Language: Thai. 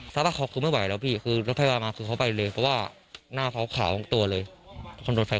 สาระคลอกคือไม่เหว่าเขาก็ไม่ไหวล้วนที่เล่าพี่